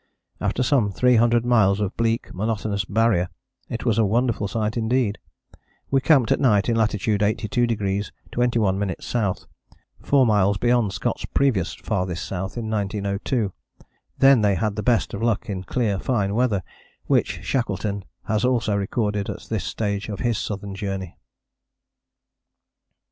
After some 300 miles of bleak, monotonous Barrier it was a wonderful sight indeed. We camped at night in latitude 82° 21´ S., four miles beyond Scott's previous Farthest South in 1902. Then they had the best of luck in clear fine weather, which Shackleton has also recorded at this stage of his southern journey.